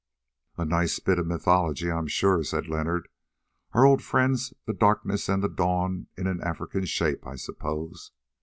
"A nice bit of mythology, I am sure," said Leonard. "Our old friends the Darkness and the Dawn in an African shape, I suppose.